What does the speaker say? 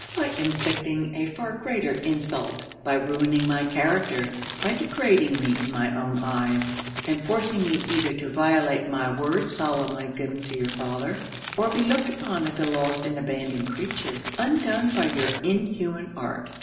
by inflicting a far greater insult; by ruining my character; by degrading me in my own eyes; and forcing me either to violate my word solemnly given to your father, or be looked upon as a lost and abandoned creature, undone by your inhuman art.